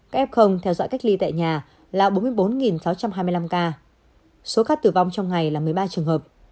các f theo dõi cách ly tại nhà là bốn mươi bốn sáu trăm hai mươi năm ca số ca tử vong trong ngày là một mươi ba trường hợp